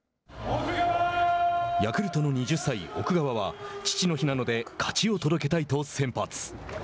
ヤクルトの２０歳、奥川は「父の日なので勝ちを届けたい」と先発。